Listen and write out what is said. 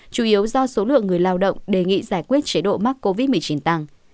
chủ yếu do số lượng người lao động đề nghị giải quyết chế độ mắc covid một mươi chín tăng